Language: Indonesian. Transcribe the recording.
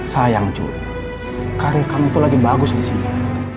sayang cuy karir kamu tuh lagi bagus disini